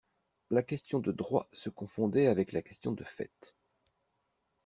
La question de droit se confondait avec la question de fait.